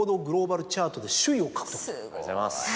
ありがとうございます。